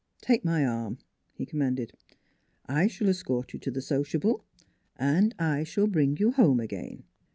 " Take my arm," he commanded. " I shall es cort you to the sociable, and I shall bring you home again."